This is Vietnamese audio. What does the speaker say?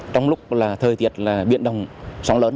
trong lúc là thời tiết là biển đồng sóng lớn